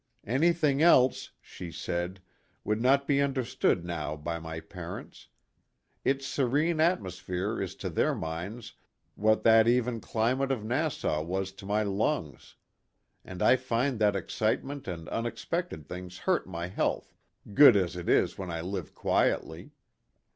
"Anything else," she said, "would not be understood now by my parents. Its serene atmosphere is to their minds what that even climate of Nassau was to my lungs. And I find that excitement and unexpected things hurt my health, good as it is when I live quietly."